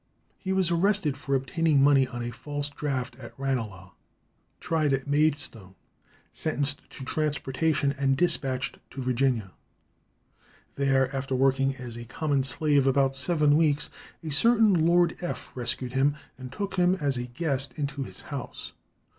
He was arrested for obtaining money on a false draft at Ranelagh, tried at Maidstone, sentenced to transportation, and despatched to Virginia. There, "after working as a common slave about seven weeks," a certain Lord F. rescued him and took him as a guest into his house.